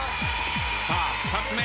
さあ２つ目。